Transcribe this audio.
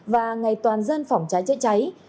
và ngày toàn dân phòng cháy cháy cháy